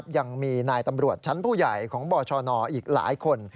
ยังมีนายตำรวจชั้นผู้ใหญ่ของบชนอีกหลายคน